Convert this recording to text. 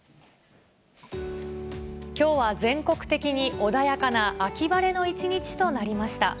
きょうは全国的に穏やかな秋晴れの一日となりました。